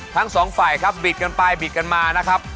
ทั้งสองฝ่ายครับบิดกันไปบิดกันมานะครับ